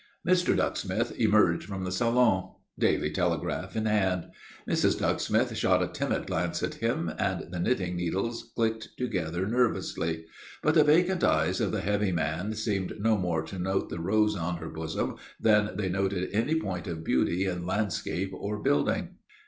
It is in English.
Mr. Ducksmith emerged from the salon, Daily Telegraph in hand. Mrs. Ducksmith shot a timid glance at him and the knitting needles clicked together nervously. But the vacant eyes of the heavy man seemed no more to note the rose on her bosom than they noted any point of beauty in landscape or building.